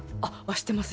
知ってます。